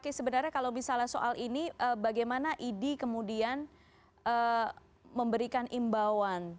oke sebenarnya kalau misalnya soal ini bagaimana idi kemudian memberikan imbauan